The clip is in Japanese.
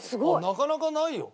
なかなかないよ。